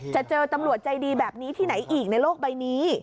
เจอตำรวจใจดีแบบนี้ที่ไหนอีกในโลกใบนี้